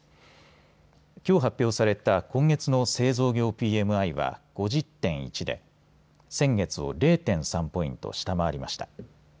きょう発表された今月の製造業ＰＭＩは５０．１で先月を０．３ポイント下回りました。